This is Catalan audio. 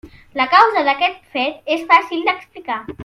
La causa d'aquest fet és fàcil d'explicar.